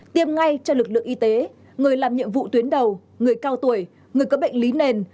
tiêm ngay cho lực lượng y tế người làm nhiệm vụ tuyến đầu người cao tuổi người có bệnh lý nền